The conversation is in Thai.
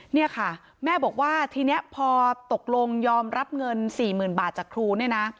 เนี่ยค่ะแม่บอกว่าทีนี้พอตกลงยอมรับเงิน๔๐๐๐บาทจากครูเนี่ยนะ